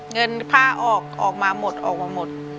เงินค่าออกมาหมดออกมาหมด